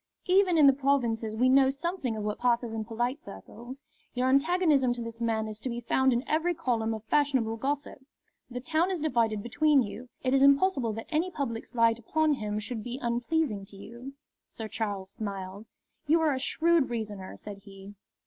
"Even in the provinces we know something of what passes in polite circles. Your antagonism to this man is to be found in every column of fashionable gossip. The town is divided between you. It is impossible that any public slight upon him should be unpleasing to you." Sir Charles smiled. "You are a shrewd reasoner," said he.